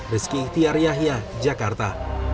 rizky ihtiar yahya jakarta